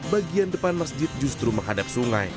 bagian depan masjid justru menghadap sungai